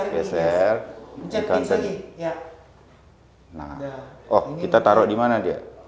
kita taruh di mana dia